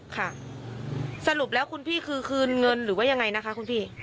ค่ะสรุปแล้วคุณพี่คือคืนเงินหรือว่ายังไงนะคะคุณพี่